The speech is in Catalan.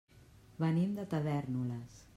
Venim de Tavèrnoles.